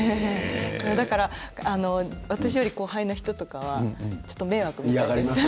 だから私より後輩の人とかはちょっと迷惑です。